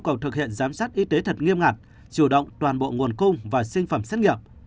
cần thực hiện giám sát y tế thật nghiêm ngặt chủ động toàn bộ nguồn cung và sinh phẩm xét nghiệm